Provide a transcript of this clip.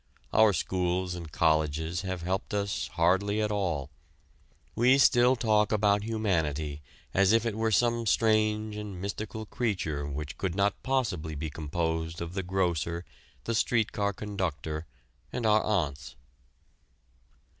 Our schools and colleges have helped us hardly at all. We still talk about "humanity" as if it were some strange and mystical creature which could not possibly be composed of the grocer, the street car conductor and our aunts.